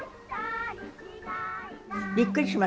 びっくりします。